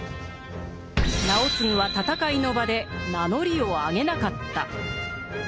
直次は戦いの場で名乗りをあげなかった。